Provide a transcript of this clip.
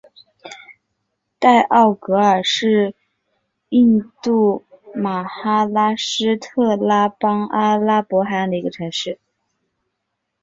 代奥格尔是印度马哈拉施特拉邦阿拉伯海岸的一个城市。